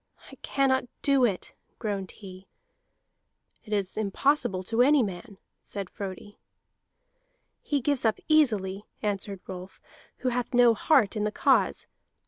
"I cannot do it," groaned he. "It is impossible to any man," said Frodi. "He gives up easily," answered Rolf, "who hath no heart in the cause.